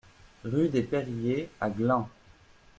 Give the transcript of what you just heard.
Rue des Perriers à Glun